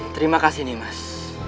terima kasih nih mas